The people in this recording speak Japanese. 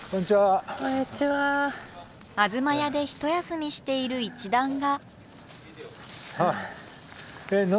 あずまやで一休みしている一団が。